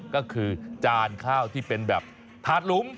ก็คือจานข้าวที่เป็นแบบถาดหลุม